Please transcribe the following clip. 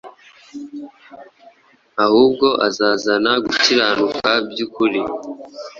ahubwo azazana gukiranuka by’ukuri.